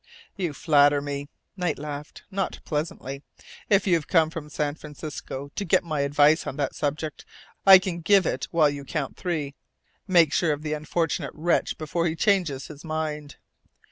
"You flatter me!" Knight laughed, not pleasantly. "If you've come from San Francisco to get my advice on that subject, I can give it while you count three. Make sure of the unfortunate wretch before he changes his mind."